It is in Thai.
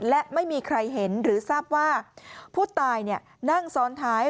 และไม่มีใครเห็นหรือทราบว่าผู้ตายนั่งซ้อนท้าย